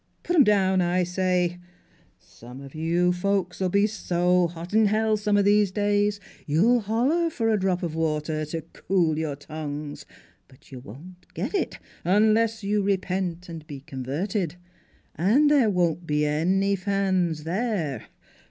Put 'em down, I say! Some of you folks '11 be so hot in hell some o' these days you'll holler for a drop of water to cool your NEIGHBORS 227 tongues; but you won't get it, unless you repent and be converted. ... And there won't be any fans there.